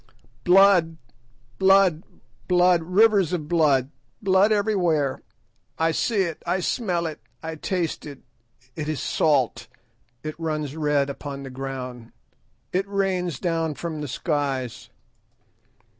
"Blood! blood! blood! rivers of blood; blood everywhere. I see it, I smell it, I taste it—it is salt! it runs red upon the ground, it rains down from the skies.